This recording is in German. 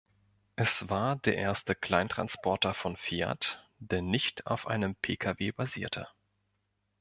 Es war der erste Kleintransporter von Fiat, der nicht auf einem Pkw basierte.